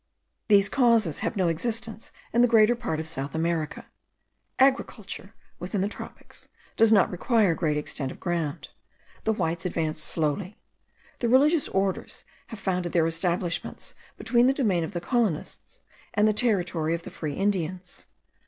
These causes have no existence in the greater part of South America. Agriculture, within the tropics, does not require great extent of ground. The whites advance slowly. The religious orders have founded their establishments between the domain of the colonists and the territory of the free Indians.